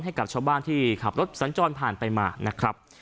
ให้กับชาวบ้านที่ขับรถสัญจรผ่านไปมานะครับ